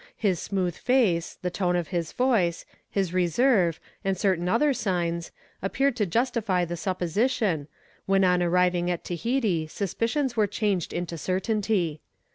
His smooth face, the tone of his voice, his reserve, and certain other signs, appeared to justify the supposition, when on arriving at Tahiti suspicions were changed into certainty.